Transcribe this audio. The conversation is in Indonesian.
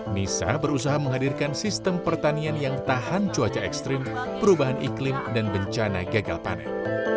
nisa berusaha menghadirkan sistem pertanian yang tahan cuaca ekstrim perubahan iklim dan bencana gagal panen